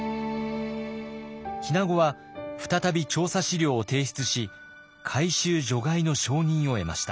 日名子は再び調査資料を提出し回収除外の承認を得ました。